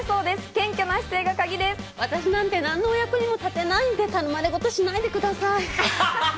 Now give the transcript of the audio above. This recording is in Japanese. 私なんて、何のお役にも立てないんで、頼まれ事しないでください。